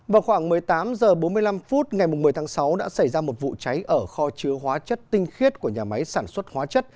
vào khoảng một mươi tám h bốn mươi năm phút ngày một mươi tháng sáu đã xảy ra một vụ cháy ở kho chứa hóa chất tinh khiết của nhà máy sản xuất hóa chất